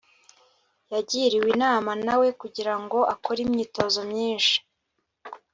yagiriwe inama na we kugira ngo akore imyitozo myinshi